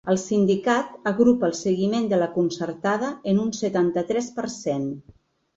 El sindicat agrupa el seguiment de la concertada en un setanta-tres per cent.